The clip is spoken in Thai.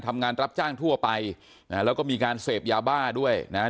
รับจ้างทั่วไปนะฮะแล้วก็มีการเสพยาบ้าด้วยนะฮะ